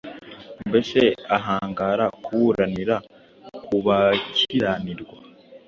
mbese ahangara kuburanira ku bakiranirwa?